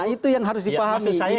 itu yang harus dipahami